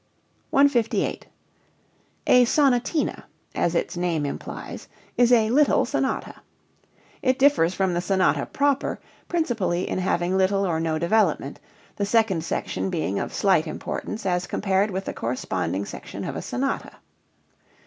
158. A sonatina, as its name implies, is a little sonata. It differs from the sonata proper principally in having little or no development, the second section being of slight importance as compared with the corresponding section of a sonata.